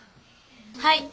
はい。